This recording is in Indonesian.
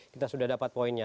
kita sudah dapat poinnya